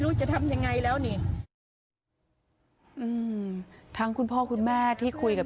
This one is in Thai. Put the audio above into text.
จะทำยังไงแล้วนี่อืมทั้งคุณพ่อคุณแม่ที่คุยกับ